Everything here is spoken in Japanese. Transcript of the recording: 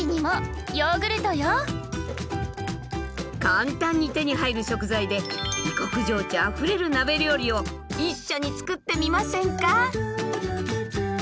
簡単に手に入る食材で異国情緒あふれる鍋料理を一緒に作ってみませんか？